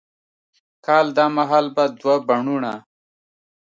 کال دا مهال به دوه بڼوڼه،